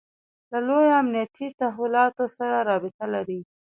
له لویو امنیتي تحولاتو سره رابطه لري.